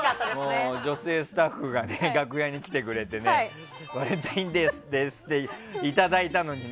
女性スタッフが楽屋に来てくれてねバレンタインデーですっていただいたのにね